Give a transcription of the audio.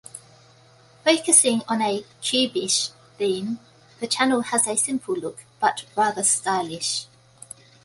Focusing on a "cube-ish" theme, the channel has a simple look, but rather stylish.